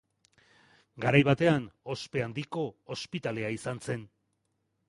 Garai batean, ospe handiko ospitalea izan zen.